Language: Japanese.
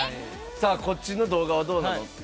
こっちの動画はどうなの？